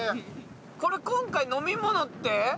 これ今回飲み物って。